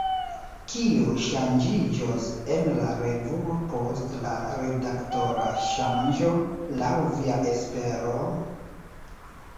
Kio ŝanĝiĝos en la revuo post la redaktora ŝanĝo, laŭ via espero?